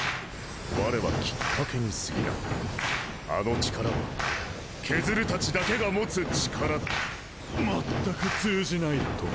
われはきっかけにすぎないあの力はケズルたちだけが持つ力だまったく通じないだと？